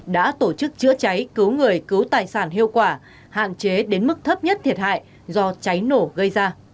đã tổ chức chữa cháy cứu người cứu tài sản hiệu quả hạn chế đến mức thấp nhất thiệt hại do cháy nổ gây ra